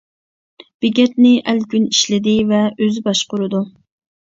بېكەتنى ئەلكۈن ئىشلىدى ۋە ئۆزى باشقۇرىدۇ.